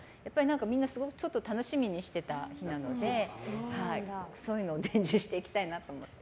みんな楽しみにしてたのでそういうのを伝授していきたいなと思って。